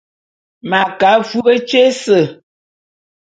M'a ke afub tyé ése.